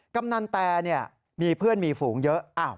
กำนันแตมีเพื่อนมีฝูงเยอะ